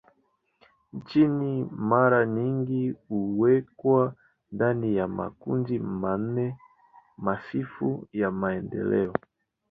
Nchi mara nyingi huwekwa ndani ya makundi manne hafifu ya maendeleo.